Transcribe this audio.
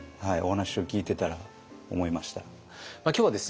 今日はですね